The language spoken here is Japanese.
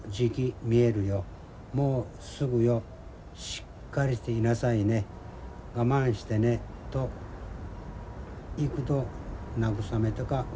もうすぐよしっかりしていなさいね我慢してねと幾度慰めたか分かりません。